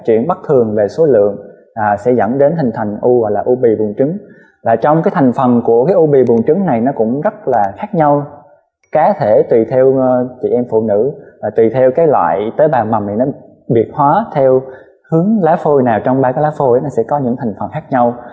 theo hướng lá phôi nào trong ba cái lá phôi thì sẽ có những thành phần khác nhau